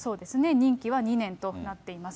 任期は２年となっています。